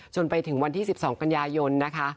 จนถึงวันที่๑๒กันยายนนะคะ